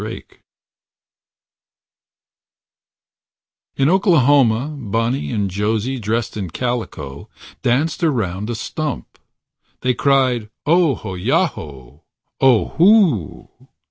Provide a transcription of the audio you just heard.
pdf In Oklahoma, Bonnie and Josie, Dressed in calico. Danced around a stump. They cried, "Ohoyaho, Ohoo"